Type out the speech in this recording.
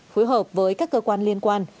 phối hợp với các cơ quan liên quan